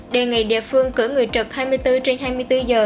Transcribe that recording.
đề nghị địa phương cử người trực hai mươi bốn trên hai mươi bốn giờ